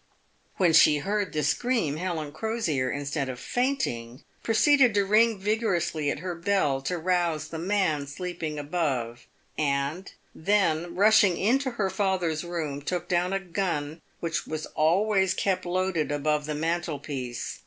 When she heard the scream, Helen Crosier, instead of fainting, proceeded to ring vigorously at her bell to rouse the man sleeping above, and, then rushing into her father's room, took down a gun which was always kept loaded above the mantel piece.